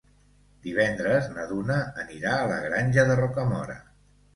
Divendres na Duna anirà a la Granja de Rocamora.